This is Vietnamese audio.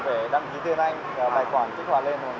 bây giờ dùng thì phải đăng ký tiền anh tài khoản kỹ hoạt lên bằng